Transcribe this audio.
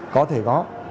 có thể có